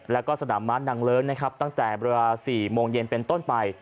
และสนามม้านังเลิศตั้งแต่เวลา๔โมงเย็นเป็นต้นไป